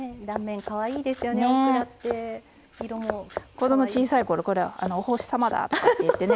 子ども小さい頃これお星様だとかって言ってね。